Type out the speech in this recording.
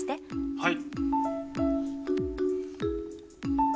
はい。